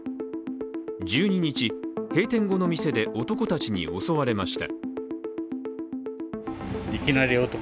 １２日、閉店後の店で男たちに襲われました。